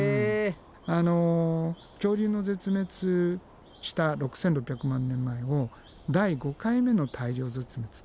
あの恐竜の絶滅した６，６００万年前を第５回目の大量絶滅って。